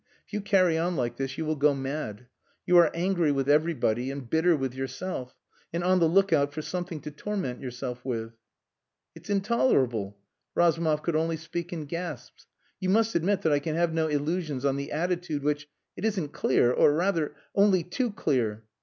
If you carry on like this you will go mad. You are angry with everybody and bitter with yourself, and on the look out for something to torment yourself with." "It's intolerable!" Razumov could only speak in gasps. "You must admit that I can have no illusions on the attitude which...it isn't clear...or rather only too clear."